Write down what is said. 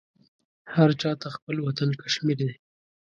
هر چاته خپل وطن کشمیر دی